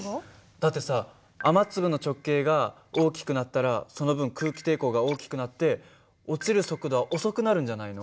だってさ雨粒の直径が大きくなったらその分空気抵抗が大きくなって落ちる速度は遅くなるんじゃないの？